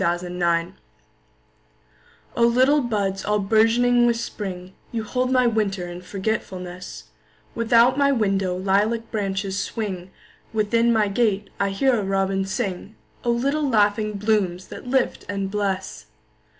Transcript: A Song in Spring O LITTLE buds all bourgeoning with Spring, You hold my winter in forgetfulness; Without my window lilac branches swing, Within my gate I hear a robin sing—O little laughing blooms that lift and bless!